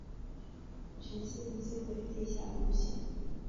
全线皆为地下路线。